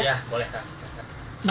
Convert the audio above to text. ya boleh kak